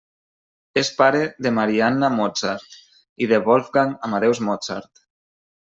És pare de Maria Anna Mozart i de Wolfgang Amadeus Mozart.